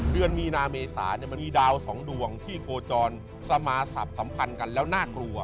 เดือนมีนาเมษามันมีดาวสองดวงที่โคจรสมาศัพท์สัมพันธ์กันแล้วน่ากลัว